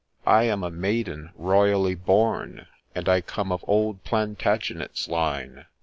I am a Maiden royally born, And I come of old Plantagenet's line.